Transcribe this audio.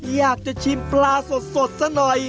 อยากจะชิมปลาสดซะหน่อย